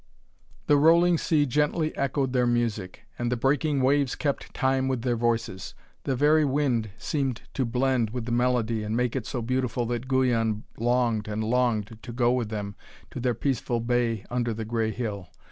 The rolling sea gently echoed their music, and the breaking waves kept time with their voices. The very wind seemed to blend with the melody and make it so beautiful that Guyon longed and longed to go with them to their peaceful bay under the grey hill.